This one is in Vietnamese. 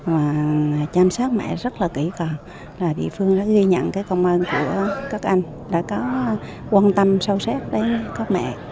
và chăm sóc mẹ rất là kỹ cờ là địa phương đã ghi nhận công an của các anh đã có quan tâm sâu sét với các mẹ